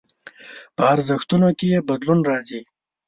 په ارزښتونو کې يې بدلون راځي.